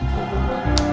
korban gitu lah